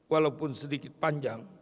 walaupun sedikit panjang